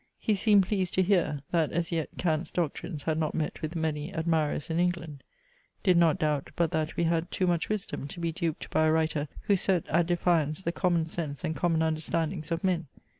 He seemed pleased to hear, that as yet Kant's doctrines had not met with many admirers in England did not doubt but that we had too much wisdom to be duped by a writer who set at defiance the common sense and common understandings of men.